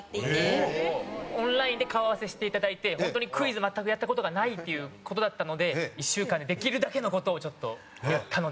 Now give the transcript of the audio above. オンラインで顔合わせして頂いてホントにクイズ全くやった事がないっていう事だったので１週間でできるだけの事をちょっとやったので。